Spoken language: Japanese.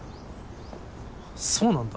そうなんだ。